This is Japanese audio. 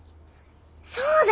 そうだ！